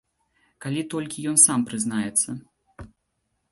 Калі толькі ён сам прызнаецца.